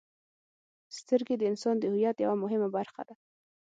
• سترګې د انسان د هویت یوه مهمه برخه ده.